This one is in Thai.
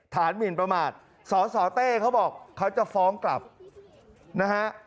หมินประมาทสสเต้เขาบอกเขาจะฟ้องกลับนะฮะ